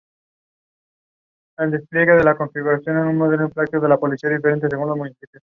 Nació en Nueva York y creció en Astoria, de padres griegos y armenios.